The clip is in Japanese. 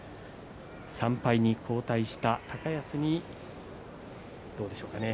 ３敗に後退した高安にどうでしょうかね